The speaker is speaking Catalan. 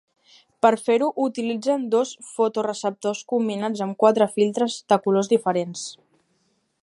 Per fer-ho, utilitzen dos fotoreceptors combinats amb quatre filtres de colors diferents.